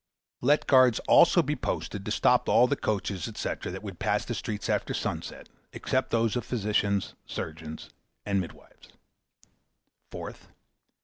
Let guards also be posted to stop all the coaches, &c. that would pass the streets after sunset, except those of physicians, surgeons, and midwives. Fourth.